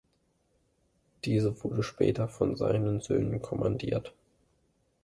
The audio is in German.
Diese wurde später von seinen Söhnen kommandiert.